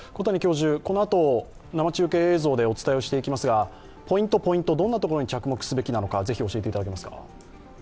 このあと、生中継映像でお伝えしていきますが、ポイント、ポイント、どんなところに着目すべきなのか、教えていただ